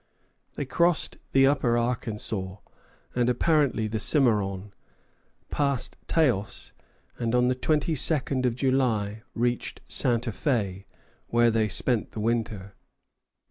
They crossed the upper Arkansas, and apparently the Cimarron, passed Taos, and on the 22d of July reached Santa Fé, where they spent the winter.